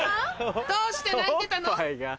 どうして泣いてたの？